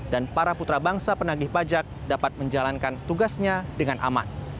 dan para putra bangsa penagih pajak dapat menjalankan tugasnya dengan aman